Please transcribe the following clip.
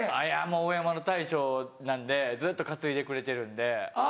お山の大将なんでずっと担いでくれてるんで。